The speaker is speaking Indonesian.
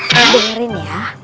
saya dengerin ya